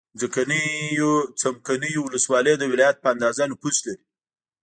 څمکنیو ولسوالۍ د ولایت په اندازه نفوس لري.